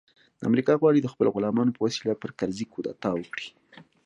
امریکا غواړي د خپلو غلامانو په وسیله پر کرزي کودتا وکړي